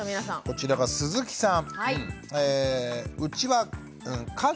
こちらが鈴木さん。